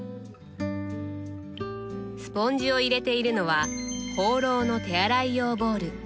スポンジを入れているのはホーローの手洗い用ボウル。